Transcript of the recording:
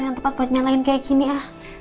yang tempat buat nyalain kayak gini ya